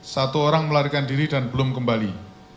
satu orang melarikan diri dan belum kembali